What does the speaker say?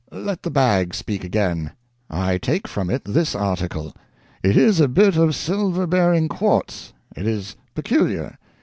Let the bag speak again. I take from it this article. It is a bit of silver bearing quartz. It is peculiar.